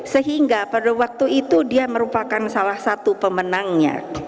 sehingga pada waktu itu dia merupakan salah satu pemenangnya